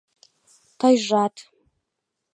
Тыйжат...